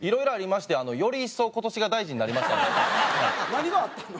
何があったの？